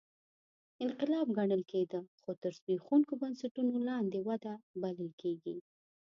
انقلاب ګڼل کېده خو تر زبېښونکو بنسټونو لاندې وده بلل کېږي